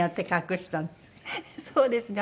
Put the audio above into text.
そうですね